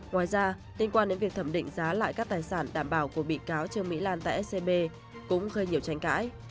ngoài ra liên quan đến việc thẩm định giá lại các tài sản đảm bảo của bị cáo trương mỹ lan tại scb cũng gây nhiều tranh cãi